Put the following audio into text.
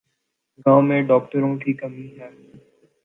گاؤں میں ڈاکٹروں کی کمی ہے